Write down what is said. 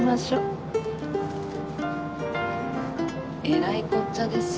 えらいこっちゃです。